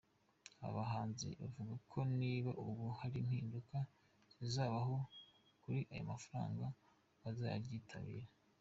Aba bahanzi bavuga ko niba ubu hari impinduka zizabaho kuri ayo mafaranga bazaryitabira.